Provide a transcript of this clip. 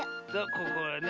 ここをね